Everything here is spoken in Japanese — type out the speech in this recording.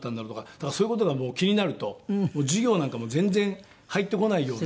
だからそういう事がもう気になると授業なんかも全然入ってこないような。